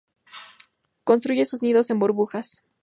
Construye sus nidos en burbujas.